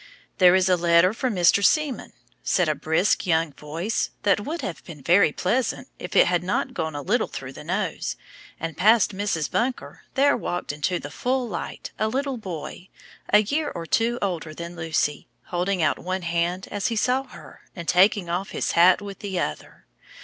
"There is a letter from Mr. Seaman," said a brisk young voice, that would have been very pleasant if it had not gone a little through the nose; and past Mrs. Bunker there walked into the full light a little boy, a year or two older than Lucy, holding out one hand as he saw her and taking off his hat with the other.